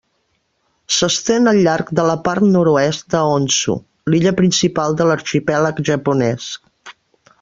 S'estén al llarg de la part nord-oest de Honshu, l'illa principal de l'arxipèlag japonès.